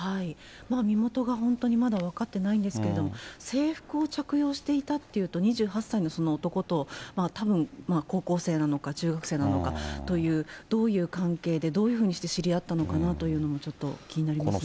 身元が本当にまだ分かってないんですけれども、制服を着用していたっていうと、２８歳のその男とたぶん、高校生なのか、中学生なのかというどういう関係でどういうふうにして知り合ったのかなというのも、ちょっと気になりますね。